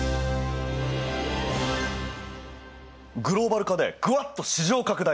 グローバル化でグワッと市場拡大！